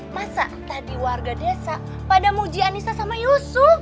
masa tadi warga desa pada muji anissa sama yosu